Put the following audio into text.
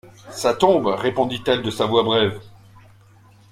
Ça tombe, répondit-elle de sa voix brève.